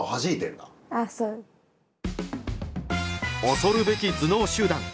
恐るべき頭脳集団。